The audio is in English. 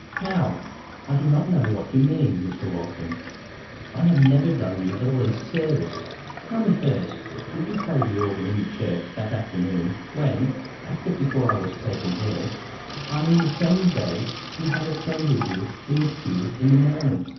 "How? I do not know what you mean, Mr Walton. I have never done you the least service." "Tell me first, did you play the organ in church that afternoon when—after—before I was taken ill—I mean the same day you had—a friend with you in the pew in the morning